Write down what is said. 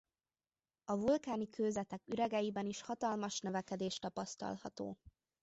A vulkáni kőzetek üregeiben is hatalmas növekedés tapasztalható.